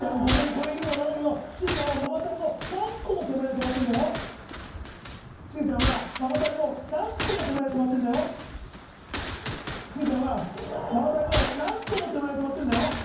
これ言うのも何だけどしずちゃんはママタレの何個も手前で止まってんだよしずちゃんはママタレの何個も手前で止まってんだよしずちゃんはママタレの何個も手前で止まってんだよ